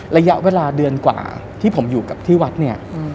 ระยะเวลาเดือนกว่าที่ผมอยู่กับที่วัดเนี่ย